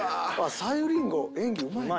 さゆりんご演技うまい。